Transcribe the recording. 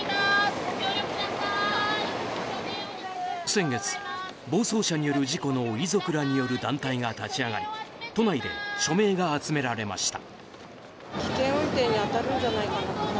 先月、暴走車による事故の遺族らによる団体が立ち上がり都内で署名が集められました。